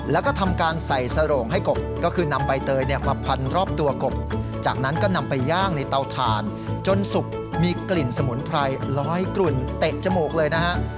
แล้วก็ทำการใส่สโรงให้กบก็คือนำใบเตยเนี่ยมาพันรอบตัวกบจากนั้นก็นำไปย่างในเตาถ่านจนสุกมีกลิ่นสมุนไพรลอยกลุ่นเตะจมูกเลยนะฮะ